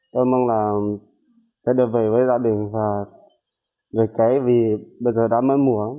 tôi mong là sẽ được về với gia đình và về cái vì bây giờ đã mấy mùa